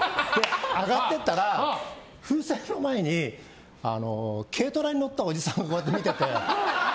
上がっていったら風船の前に軽トラに乗ったおじさんがこうやって見てて。